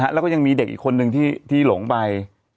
แล้วก็ยังมีเด็กอีกคนนึงที่หลงไป